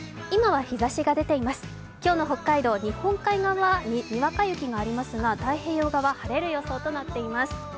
今日の北海道、日本海側はにわか雪がありますが、太平洋側は晴れる予報となっています。